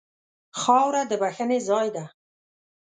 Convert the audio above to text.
خاوره د بښنې ځای ده.